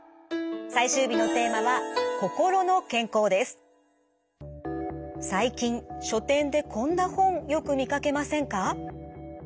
最終日のテーマは最近書店でこんな本よく見かけませんか？